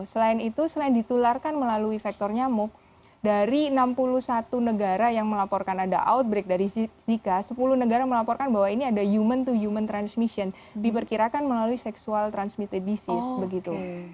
selain itu selain ditularkan melalui faktor nyamuk dari enam puluh satu negara yang melaporkan ada outbreak dari zika sepuluh negara melaporkan bahwa ini ada human to human transmission diperkirakan melalui seksual transmittee disease begitu